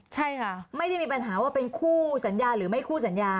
ใช่ค่ะไม่ได้มีปัญหาว่าเป็นคู่สัญญาหรือไม่คู่สัญญา